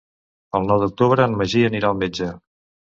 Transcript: El nou d'octubre en Magí anirà al metge.